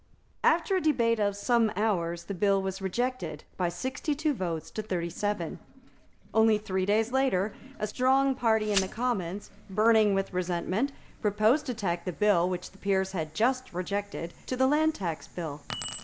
After a debate of some hours the bill was rejected by sixty two votes to thirty seven. Only three days later, a strong party in the Commons, burning with resentment, proposed to tack the bill which the Peers had just rejected to the Land Tax Bill.